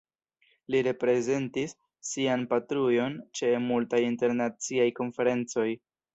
Li reprezentis sian patrujon ĉe multaj internaciaj konferencoj.